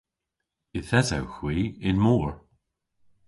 Yth esewgh hwi y'n mor.